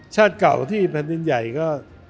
ชาติเก่าที่แผ่นดินใหญ่ก็